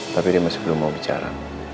tapi dia masih belum mau bicara